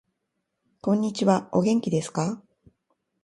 こんにちは。お元気ですか。